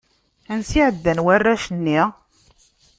Ansa i ɛeddan warrac-nni?